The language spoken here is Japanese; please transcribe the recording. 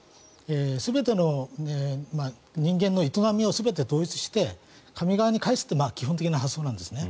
全ての人間の営みを全て統一して神側に返すっていう基本的な発想なんですね。